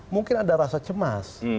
mungkin ada rasa cemas